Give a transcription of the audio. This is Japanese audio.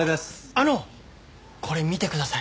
あのこれ見てください。